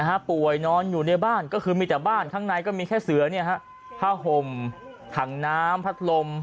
ป่วยนอนอยู่ในบ้านก็คือมีแต่บ้านข้างในก็มีแค่เสือเนี่ยฮะผ้าห่มถังน้ำพัดลม